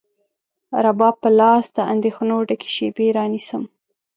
رباب په لاس، د اندېښنو ډکې شیبې رانیسم